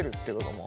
もう。